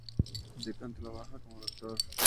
Declan trabaja como doctor.